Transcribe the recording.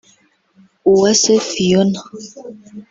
Uwase Phiona